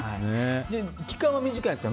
時間は短いんですか？